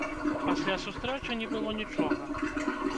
Пасля сустрэчы не было нічога.